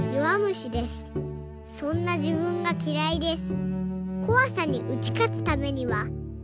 そんなじぶんがきらいです」